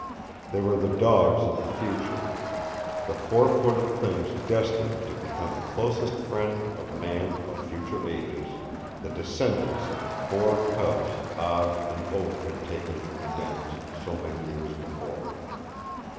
They were the dogs of the future, the four footed things destined to become the closest friends of men of future ages, the descendants of the four cubs Ab and Oak had taken from the dens so many years before.